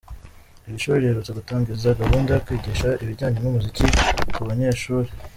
Iri shuri riherutse gutangiza gahunda yo kwigisha ibijyanye n’umuziki ku banyeshuri.